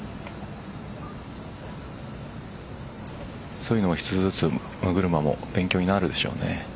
そういうのは一つずつ六車も勉強になるでしょうね。